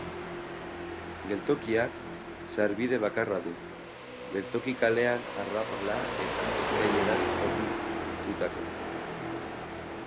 Geltokiak sarbide bakarra du, Geltoki kalean arrapala eta eskaileraz hornitutakoa.